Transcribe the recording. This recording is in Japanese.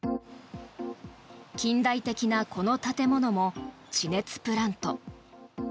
近代的なこの建物も地熱プラント。